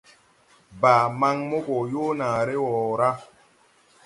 Baa maŋ mo gɔ yoo naare wɔ ra.